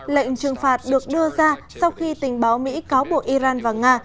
lệnh trừng phạt được đưa ra sau khi tình báo mỹ cáo buộc iran và nga